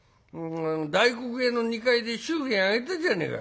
大黒屋の２階で祝言挙げたじゃねえか。